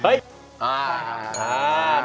โอเคจบ